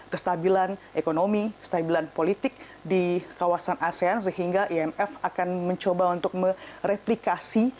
kestabilan ekonomi kestabilan politik di kawasan asean sehingga imf akan mencoba untuk mereplikasi